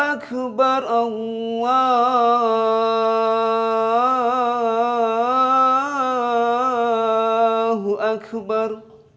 allahu akbar allahu akbar